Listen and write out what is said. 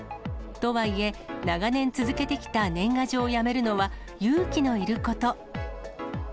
とはいえ、長年続けてきた年賀状をやめるのは勇気のいること。